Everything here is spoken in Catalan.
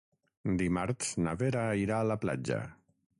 Dimarts na Vera irà a la platja.